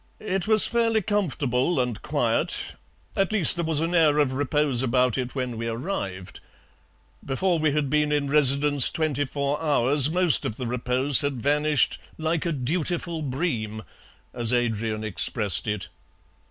It was fairly comfortable and quiet at least there was an air of repose about it when we arrived. Before we had been in residence twenty four hours most of the repose had vanished 'like a dutiful bream,' as Adrian expressed it.